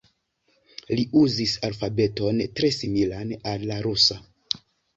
Li uzis alfabeton tre similan al la rusa.